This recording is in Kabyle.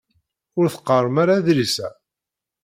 Ur teqqaṛem ara adlis-a?